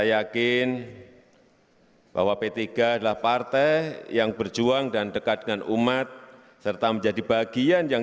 yang diharuskan agar berhasil dilakukan out lebih ke masa sekarang